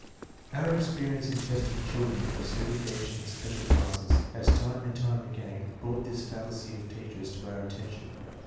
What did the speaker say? Our experience in testing children for segregation in special classes has time and again brought this fallacy of teachers to our attention.